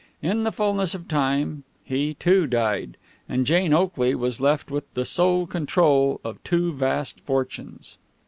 In the fullness of time he, too, died, and Jane Oakley was left with the sole control of two vast fortunes.